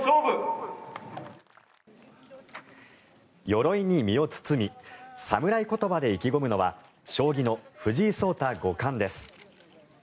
よろいに身を包み侍言葉で意気込むのは将棋の藤井聡太五冠です。